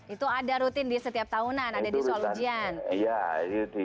itu ada rutin di setiap tahunan ada di soal ujian